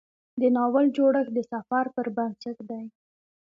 د ناول جوړښت د سفر پر بنسټ دی.